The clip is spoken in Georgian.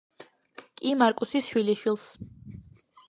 კი მარკუსის შვილიშვილს.